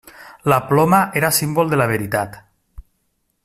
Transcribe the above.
La ploma era símbol de la veritat.